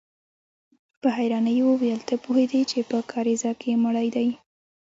په حيرانۍ يې وويل: ته پوهېدې چې په کاريزه کې مړی دی؟